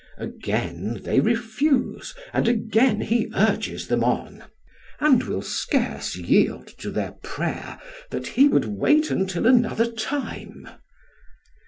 Again they refuse, and again he urges them on, and will scarce yield to their prayer that he would wait until another time.